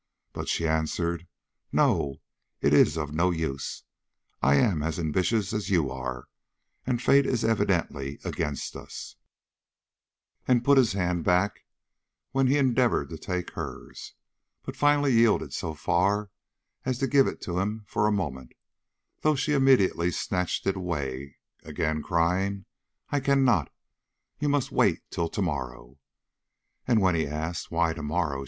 But she answered: 'No; it is of no use. I am as ambitious as you are, and fate is evidently against us,' and put his hand back when he endeavored to take hers, but finally yielded so far as to give it to him for a moment, though she immediately snatched it away again, crying: 'I cannot; you must wait till to morrow.' And when he asked: 'Why to morrow?'